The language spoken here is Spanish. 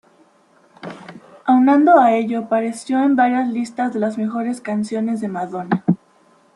Aunado a ello, apareció en varias listas de las mejores canciones de Madonna.